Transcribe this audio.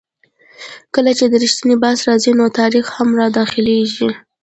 کله چې د ریښې بحث راځي؛ نو تاریخ هم را دا خلېږي.